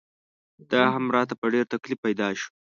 دا هم راته په ډېر تکلیف پیدا شو.